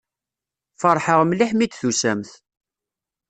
Feṛḥeɣ mliḥ mi d-tusamt.